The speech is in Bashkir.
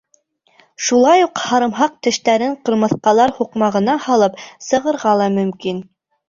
Шулай уҡ һарымһаҡ тештәрен ҡырмыҫҡалар һуҡмағына һалып сығырға ла мөмкин.